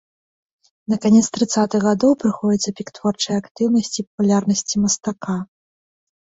На канец трыццатых гадоў прыходзіцца пік творчай актыўнасці і папулярнасці мастака.